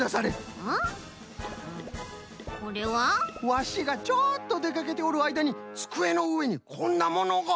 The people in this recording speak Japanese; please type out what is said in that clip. ワシがちょっとでかけておるあいだにつくえのうえにこんなものが。